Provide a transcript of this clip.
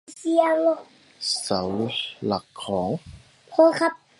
เสาหลักของ